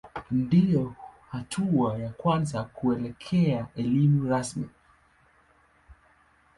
Ndiyo hatua ya kwanza kuelekea elimu rasmi.